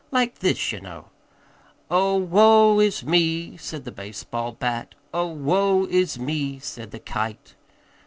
Like this, ye know: 'Oh, woe is me, said the baseball bat, Oh, woe is me, said the kite.'